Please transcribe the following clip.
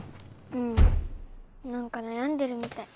うん何か悩んでるみたい。